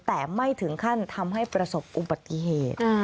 แต่ไม่ถึงขั้นทำให้ประสบอุบัติเหตุ